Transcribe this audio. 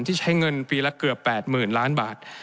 ที่ใช้เงินปีละเกือบ๘๐๐๐ล้านบาท